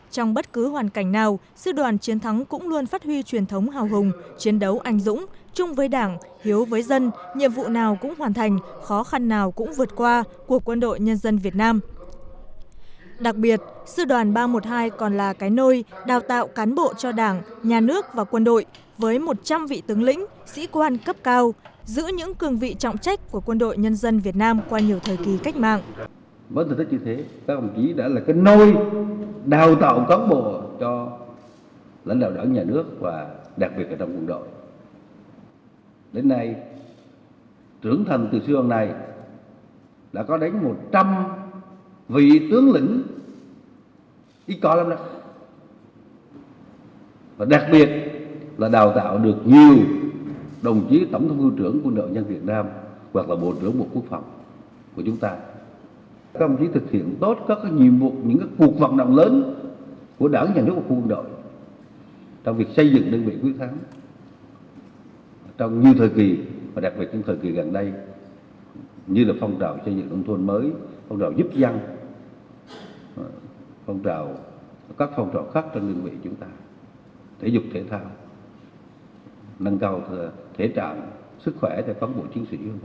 trong việc xây dựng đơn vị quyết thám trong nhiều thời kỳ đặc biệt trong thời kỳ gần đây như là phong trào xây dựng đồng thôn mới phong trào giúp dân phong trào các phong trào khác trong đơn vị chúng ta thể dục thể thao nâng cao thể trạng sức khỏe phóng bộ chiến sĩ